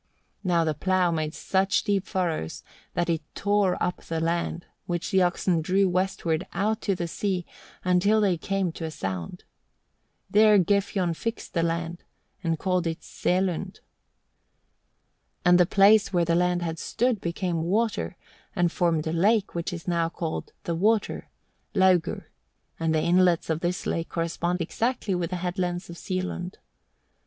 Now the plough made such deep furrows that it tore up the land, which the oxen drew westward out to sea until they came to a sound. There Gefjon fixed the land, and called it Sælund. And the place where the land had stood became water, and formed a lake which is now called "The Water" (Laugur), and the inlets of this lake correspond exactly with the headlands of Sealund.